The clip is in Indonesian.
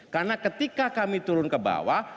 karena ketika kami turun ke bawah